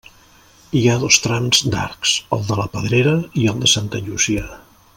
Hi ha dos trams d'arcs, el de la Pedrera i el de Santa Llúcia.